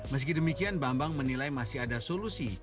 meski demikian bambang menilai masih ada solusi